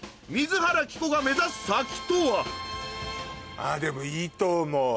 今後でもいいと思う。